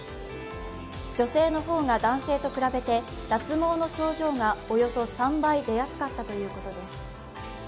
女性の方が男性と比べて脱毛の症状がおよそ３倍出やすかったということです。